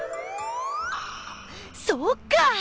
あそっか！